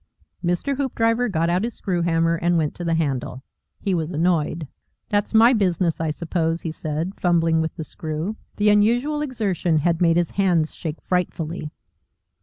Mr. Hoopdriver got out his screw hammer and went to the handle. He was annoyed. "That's my business, I suppose," he said, fumbling with the screw. The unusual exertion had made his hands shake frightfully.